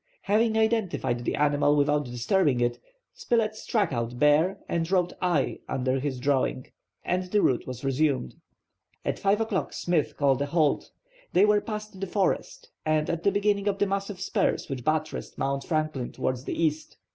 Having identified the animal without disturbing it, Spilett struck out "bear" and wrote "ai" under his drawing and the route was resumed. At 5 o'clock Smith called a halt. They were past the forest and at the beginning of the massive spurs which buttressed Mount Franklin towards the east.